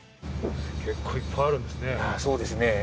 結構いっぱいあるんですね。